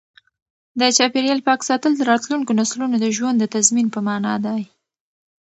د چاپیریال پاک ساتل د راتلونکو نسلونو د ژوند د تضمین په مانا دی.